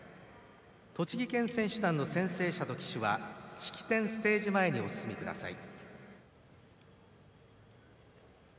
栃木県選手団の宣誓者と旗手は式典ステージ前にお進みください。